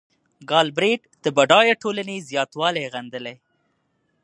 ګالبرېټ د بډایه ټولنې زیاتوالی غندلی.